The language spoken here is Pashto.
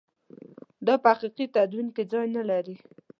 دا په حقیقي تدین کې ځای نه لري.